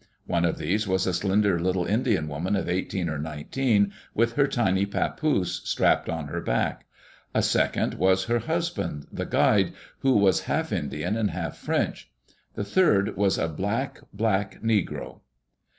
One of these was a slender little Indian woman of eighteen or nineteen, with her tiny papoose strapped on her back. A second was her hus band, the guide, who was half Indian and half French. The third was a black, black Negro.